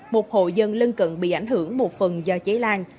một hộ dân lân cận bị ảnh hưởng một phần do cháy lan